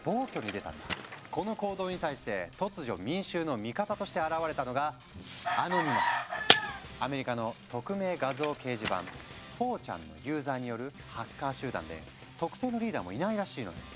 この行動に対して突如民衆の味方として現れたのがアメリカの匿名画像掲示板「４ｃｈａｎ」のユーザーによるハッカー集団で特定のリーダーもいないらしいのよ。